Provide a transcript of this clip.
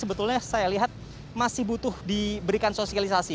sebetulnya saya lihat masih butuh diberikan sosialisasi